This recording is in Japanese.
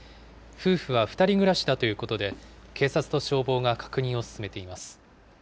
夫婦は２人暮らしだということで、警察と消防が確認を進めています。